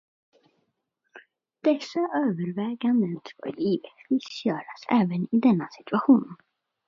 Dessa överväganden ska givetvis göras även i denna situation.